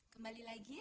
kembali lagi ya